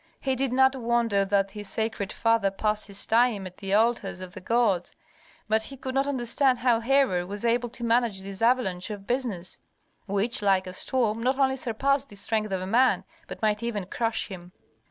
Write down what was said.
He did not wonder that his sacred father passed his time at the altars of the gods, but he could not understand how Herhor was able to manage the avalanche of business, which, like a storm, not only surpassed the strength of a man, but might even crush him.